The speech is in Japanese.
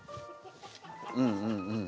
うんうんうん。